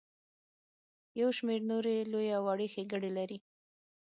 یو شمیر نورې لویې او وړې ښیګړې لري.